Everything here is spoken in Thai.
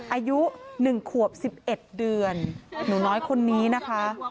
อายุ๑ขวบ๑๑เดือนหนูน้อยคนนี้นะคะ